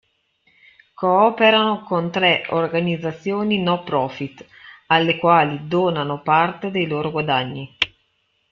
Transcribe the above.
Cooperano con tre organizzazioni no profit, alle quali donano parte dei loro guadagni.